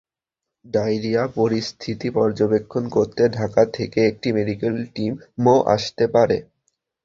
Diarrhoea পরিস্থিতি পর্যবেক্ষণ করতে ঢাকা থেকে একটি মেডিকেল টিমও আসতে পারে।